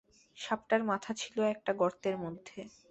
সাপটার মাথা ছিল একটা গর্তের মধ্যে।